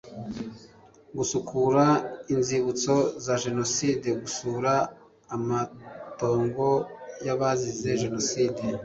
Gusukura Inzibutso za Jenoside Gusura amatongo y abazize Jenoside